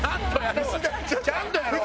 ちゃんとやろう！